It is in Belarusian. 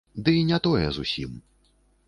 Ды не тое зусім.